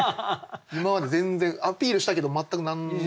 今まで全然アピールしたけど全く何にも。